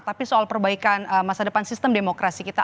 tapi soal perbaikan masa depan sistem demokrasi kita